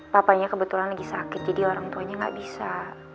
papanya kebetulan lagi sakit jadi orang tuanya nggak bisa